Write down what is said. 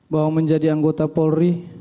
bahwa menjadi anggota polri